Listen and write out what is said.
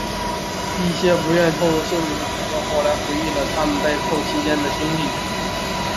一些不愿透露姓名的乘客后来回忆了他们被扣期间的经历。